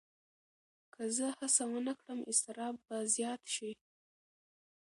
که زه هڅه ونه کړم، اضطراب به زیات شي.